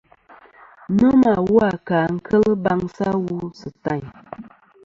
Nomɨ awu a ka kel baŋsɨ awu sɨ tayn.